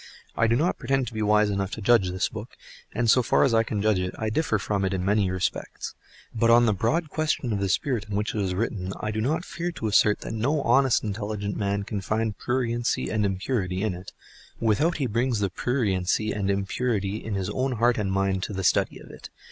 I do not pretend to be wise enough to judge this book, and so far as I can judge it, I differ from it in many respects; but on the broad question of the spirit in which it is written, I do not fear to assert that no honest and intelligent man can find pruriency and impurity in it, without he brings the pruriency and impurity in his own heart and mind to the study of it.